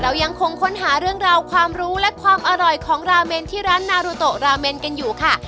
ยังคงค้นหาเรื่องราวความรู้และความอร่อยของราเมนที่ร้านนารุโตราเมนกันอยู่ค่ะ